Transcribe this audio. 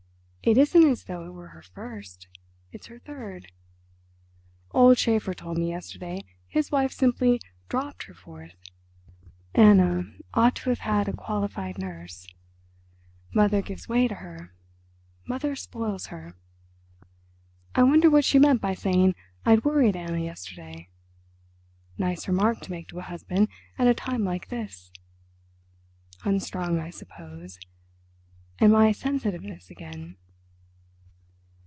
It isn't as though it were her first—it's her third. Old Schäfer told me, yesterday, his wife simply 'dropped' her fourth. Anna ought to have had a qualified nurse. Mother gives way to her. Mother spoils her. I wonder what she meant by saying I'd worried Anna yesterday. Nice remark to make to a husband at a time like this. Unstrung, I suppose—and my sensitiveness again."